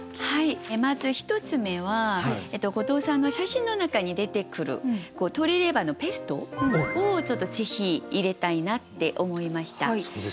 まず１つ目は後藤さんの写真の中に出てくる鶏レバーのペーストをぜひ入れたいなって思いました。